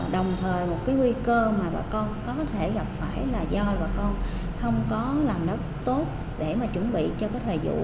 đồng thời một nguy cơ mà bà con có thể gặp phải là do bà con không có làm đất tốt để chuẩn bị cho thời vụ